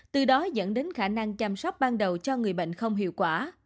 từ đó dẫn đến khả năng chăm sóc ban đầu cho người bệnh không hiệu quả